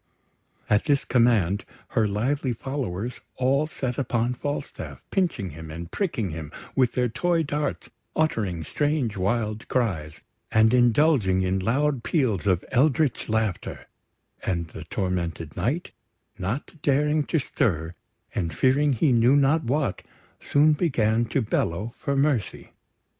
At this command, her lively followers all set upon Falstaff, pinching him, and pricking him with their toy darts, uttering strange wild cries, and indulging in loud peals of eldritch laughter; and the tormented Knight, not daring to stir, and fearing he knew not what, soon began to bellow for mercy.